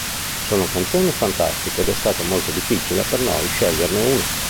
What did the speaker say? Sono canzoni fantastiche ed è stato molto difficile per noi sceglierne una.